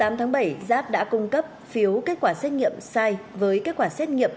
ngày tám tháng bảy giáp đã cung cấp phiếu kết quả xét nghiệm sai với kết quả xét nghiệm